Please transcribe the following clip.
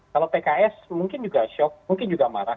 kalau pks mungkin juga shock mungkin juga marah